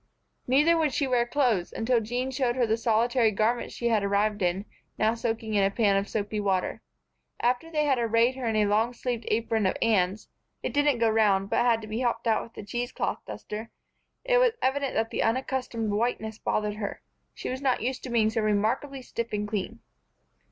Neither would she wear clothes, until Jean showed her the solitary garment she had arrived in, now soaking in a pan of soapy water. After they had arrayed her in a long sleeved apron of Anne's it didn't go round, but had to be helped out with a cheese cloth duster it was evident that the unaccustomed whiteness bothered her. She was not used to being so remarkably stiff and clean.